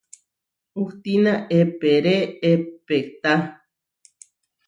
Hustína eeperé epehtá.